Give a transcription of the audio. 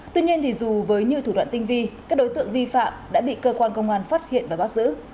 tuy nhiên dù với nhiều thủ đoạn tinh vi các đối tượng vi phạm đã bị cơ quan công an phát hiện và bắt giữ